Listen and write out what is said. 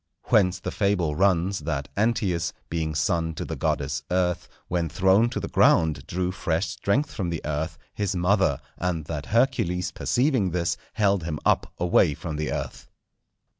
Whence the fable runs that Antæus, being son to the goddess Earth, when thrown to the ground drew fresh strength from the Earth, his mother; and that Hercules, perceiving this, held him up away from the Earth.